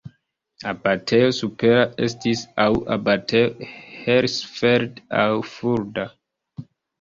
Abatejo supera estis aŭ Abatejo Hersfeld aŭ Fulda.